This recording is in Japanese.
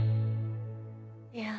いや。